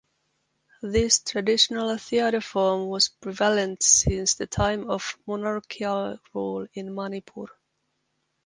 This traditional theatre form was prevalent since the time of monarchical rule in Manipur.